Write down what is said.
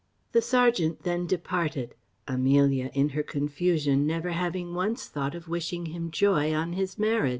The serjeant then departed; Amelia, in her confusion, never having once thought of wishing him joy on his marriage.